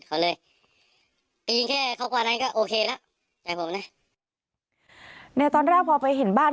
เขาเลยก็ยิงแค่เขากว่านั้นก็โอเคแล้วแต่ผมนะในตอนแรกพอไปเห็นบ้าน